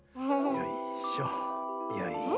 よいしょ。